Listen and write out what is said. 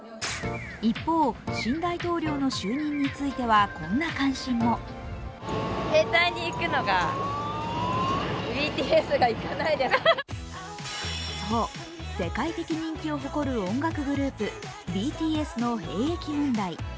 一方、新大統領の就任については、こんな関心もそう、世界的人気を誇る音楽グループＢＴＳの兵役問題。